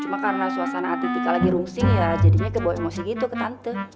cuma karena suasana atitika lagi rungsing ya jadinya kebawa emosi gitu ke tante